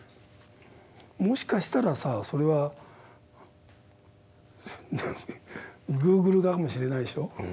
もしかしたらさそれはＧｏｏｇｌｅかもしれないでしょ。